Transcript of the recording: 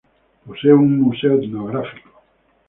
Posee un museo etnográfico.